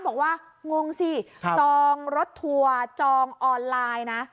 งงสิจองรถทัวร์จองออนไลน์นะ